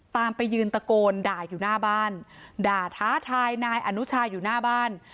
ไปยืนตะโกนด่าอยู่หน้าบ้านด่าท้าทายนายอนุชาอยู่หน้าบ้าน